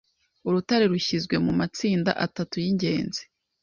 Urutare rushyizwe mumatsinda atatu yingenzi